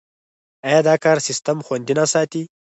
آیا دا کار سیستم خوندي نه ساتي؟